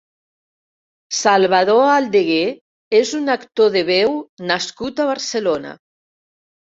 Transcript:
Salvador Aldeguer és un actor de veu nascut a Barcelona.